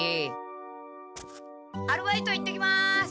アルバイト行ってきます！